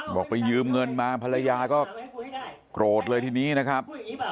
ไปยืมเงินมาภรรยาก็โกรธเลยทีนี้นะครับ